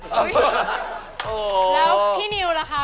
แล้วพี่นิวล่ะคะ